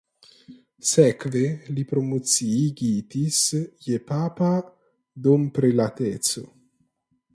Sekve li promociigitis je papa domprelateco.